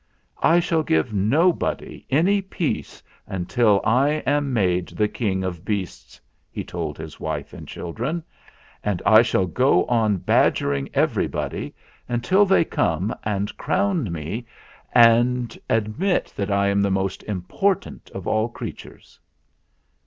"I shall give nobody any peace until I am made the King of Beasts," he told his wife and children. "And I shall go on badgering everybody until they come and crown me and MR. MELES 269 admit that I am the most important of all crea tures."